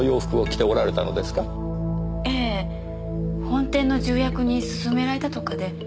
本店の重役に薦められたとかで。